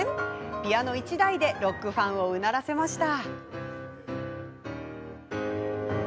ピアノ１台でロックファンをうならせました。